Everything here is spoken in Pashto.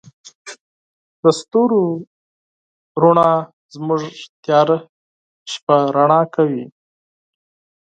د ستورو رڼا زموږ تیاره شپه رڼا کوي.